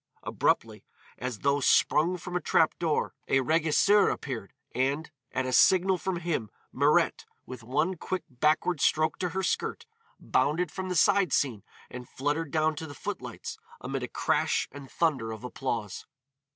Abruptly, as though sprung from a trap door, a régisseur appeared, and at a signal from him Mirette, with one quick backward stroke to her skirt, bounded from the side scene and fluttered down to the footlights amid a crash and thunder of applause.